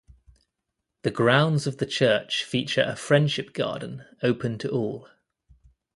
The grounds of the church feature a friendship garden open to all.